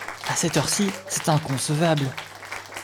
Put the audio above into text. À cette heure-ci ! c’est inconcevable.